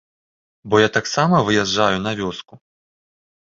Бо я таксама выязджаю на вёску.